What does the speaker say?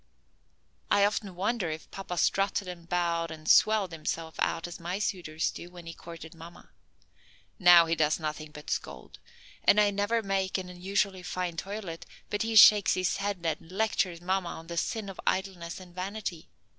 "I often wonder if papa strutted and bowed and swelled himself out as my suitors do, when he courted mamma. Now he does nothing but scold, and I never make an unusually fine toilet but he shakes his head, and lectures mamma on the sin of idleness and vanity.